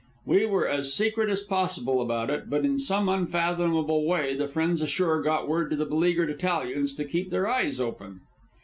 We were as secret as possible about it, but in some unfathomable way the friends ashore got word to the beleaguered Italians to keep their eyes open.